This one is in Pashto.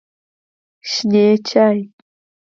شنې چای